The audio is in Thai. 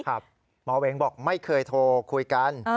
หมอเวงบอกไม่เคยโทรคุยกัน